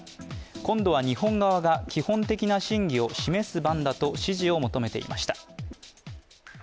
今度は日本側が基本的な信義を示す番だと支持を求めていました。